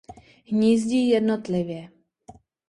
Hnízdí jednotlivě.